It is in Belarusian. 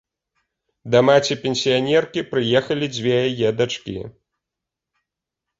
Да маці-пенсіянеркі прыехалі дзве яе дачкі.